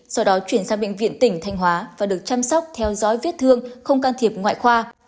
sau đó chuyển sang bệnh viện tỉnh thanh hóa và được chăm sóc theo dõi vết thương không can thiệp ngoại khoa